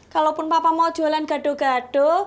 kalaupun papa mau jualan gado gado